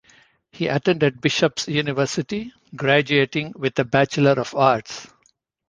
He attended Bishop's University, graduating with a Bachelor of Arts.